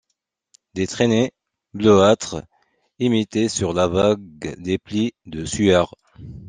Des traînées bleuâtres imitaient sur la vague des plis de suaire.